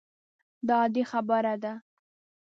دا عادي خبره ده.